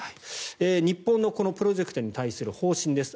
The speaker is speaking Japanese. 日本のプロジェクトに対する方針です。